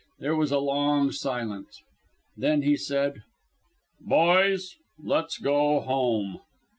There was a long silence. Then he said: "Boys, let's go home.